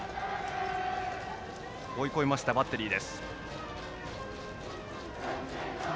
追い込みました、バッテリー。